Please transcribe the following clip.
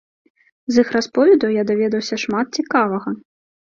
З іх расповедаў я даведаўся шмат цікавага.